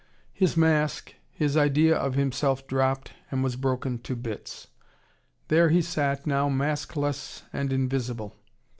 His mask, his idea of himself dropped and was broken to bits. There he sat now maskless and invisible.